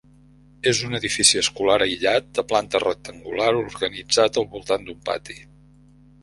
És un edifici escolar aïllat de planta rectangular organitzat al voltant d'un pati.